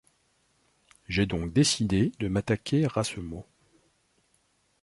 J’ai donc décidé de m’attaquer à ce mot.